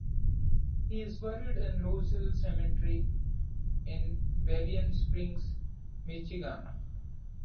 He is buried in Rose Hill Cemetery in Berrien Springs, Michigan.